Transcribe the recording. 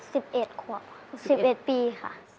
สิบเอ็ดขวบสิบเอ็ดปีค่ะ